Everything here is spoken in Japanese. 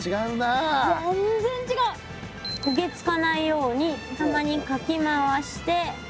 焦げ付かないようにたまにかき回して。